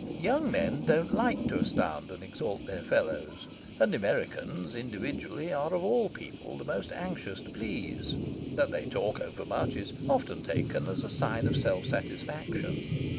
Young men don't like to astound and exalt their fellows. And Americans, individually, are of all people the most anxious to please. That they talk overmuch is often taken as a sign of self satisfaction.